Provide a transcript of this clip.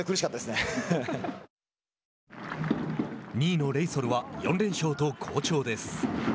２位のレイソルは４連勝と好調です。